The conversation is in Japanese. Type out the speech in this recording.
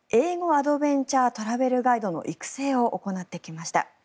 アドベンチャートラベルガイドの育成を行ってきました。